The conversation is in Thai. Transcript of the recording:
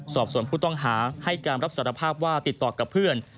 สอบส่วนผู้ต้องหาให้การรับสารภาพว่าติดต่อกับเพื่อน